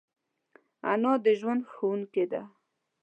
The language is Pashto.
انا د ژوند ښوونکی ده